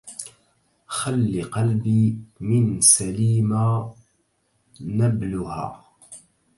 خل قلبي من سليمى نبلها